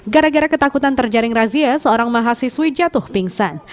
gara gara ketakutan terjaring razia seorang mahasiswi jatuh pingsan